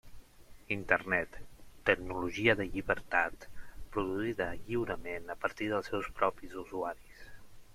Internet, tecnologia de llibertat, produïda lliurement a partir dels seus propis usuaris.